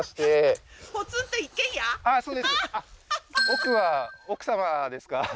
奥は奥様ですか？